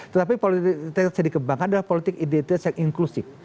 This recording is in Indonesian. tetapi politik identitas yang dikembangkan adalah politik identitas yang inklusif